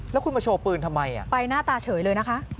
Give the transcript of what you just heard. แล้วคุณมาโชว์ปืนทำไมไปหน้าตาเฉยเลยนะคะ